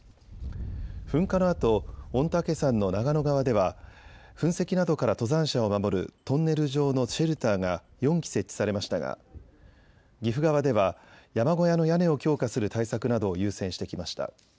噴火のあと、御嶽山の長野側では噴石などから登山者を守るトンネル状のシェルターが４基設置されましたが岐阜側では山小屋の屋根を強化する対策などを優先してきました。